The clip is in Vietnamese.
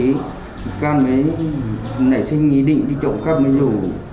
vị can mới nảy sinh ý định đi trộm cắp mới rủ